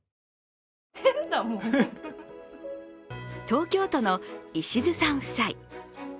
東京都の石津さん夫妻。